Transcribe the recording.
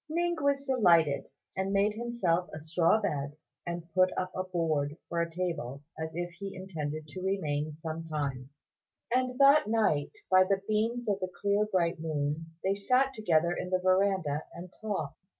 Ning was delighted, and made himself a straw bed, and put up a board for a table, as if he intended to remain some time; and that night, by the beams of the clear bright moon, they sat together in the verandah and talked.